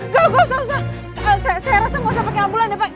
gak usah saya rasa gak usah pake ambulan ya pak